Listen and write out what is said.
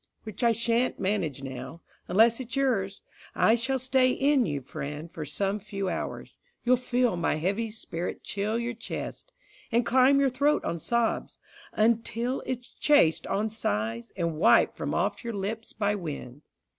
Which I shan't manage now. Unless it's yours. I shall stay in you, friend, for some few hours. You'll feel my heavy spirit chill your chest, And climb your throat on sobs, until it's chased On sighs, and wiped from off your lips by wind.